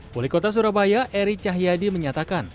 wali kota surabaya eri cahyadi menyatakan